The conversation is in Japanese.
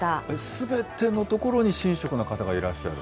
すべてのところに神職の方がいらっしゃる？